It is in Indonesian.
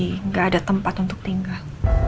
jadi nggak ada tempat untuk tinggal